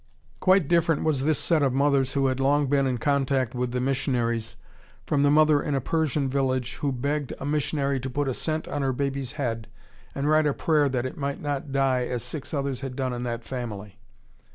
Quite different was this set of mothers who had long been in contact with the missionaries, from the mother in a Persian village who begged a missionary to put a cent on her baby's head and write a prayer that it might not die as six others had done in that family.